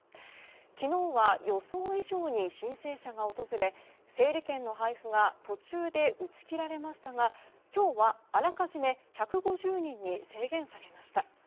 昨日は予想以上に申請者が訪れ整理券の配布が途中で打ち切られましたが今日は、あらかじめ１５０人に制限されました。